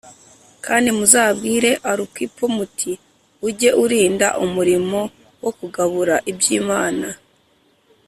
Kandi muzabwire Arukipo muti “Ujye urinda umurimo wo kugabura iby’Imana